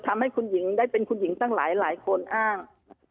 ทำให้คุณหญิงได้เป็นคุณหญิงตั้งหลายคนอ้าง